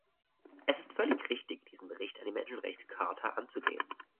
Es ist völlig richtig, diesen Bericht an die Menschenrechts-Charta anzulehnen.